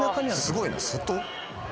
すごいな外？